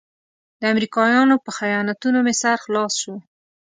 د امریکایانو په خیانتونو مې سر خلاص شو.